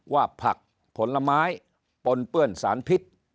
ว่าผักผลไม้ปนเปื้อนสารพิษ